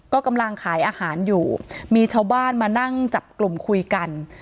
ก็กำลังขายอาหารอยู่มีชาวบ้านมานั่งจับกลุ่มคุยกัน